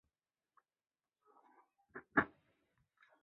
上巴鲁是巴西巴伊亚州的一个市镇。